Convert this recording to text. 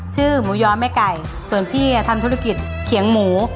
หมูย้อแม่ไก่ส่วนพี่ทำธุรกิจเขียงหมู